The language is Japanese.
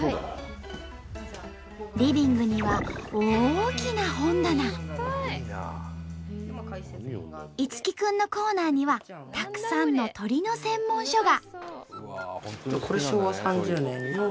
リビングには樹くんのコーナーにはたくさんの鳥の専門書が。